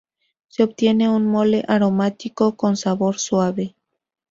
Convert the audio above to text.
Se obtiene un mole aromático, con sabor suave.